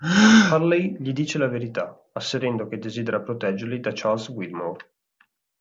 Hurley gli dice la verità, asserendo che desidera proteggerli da Charles Widmore.